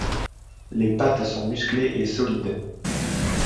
Les pattes sont musclées et solides.